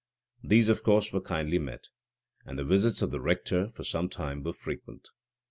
These, of course, were kindly met; and the visits of the rector, for some time, were frequent.